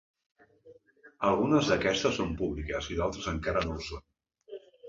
Algunes d’aquestes són públiques i d’altres encara no ho són.